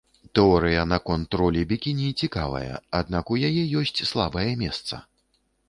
Тэорыя наконт ролі бікіні цікавая, аднак у яе ёсць слабае месца.